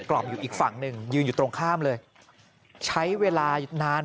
รอบอยู่อีกฝั่งหนึ่งยืนอยู่ตรงข้ามเลยใช้เวลานาน